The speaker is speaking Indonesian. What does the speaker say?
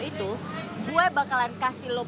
itu gue bakalan kasih